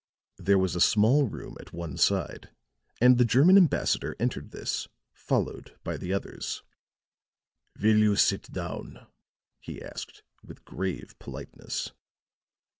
There was a small room at one side, and the German ambassador entered this, followed by the others. "Will you sit down?" he asked with grave politeness.